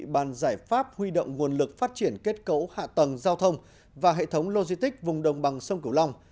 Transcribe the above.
bàn giải pháp huy động nguồn lực phát triển kết cấu hạ tầng giao thông và hệ thống logic vùng đồng bằng sông cửu long